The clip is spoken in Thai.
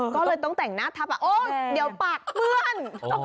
ก็เลยต้องแต่งหน้าทับแบบโอ๊ยเดี๋ยวปากเปื้อน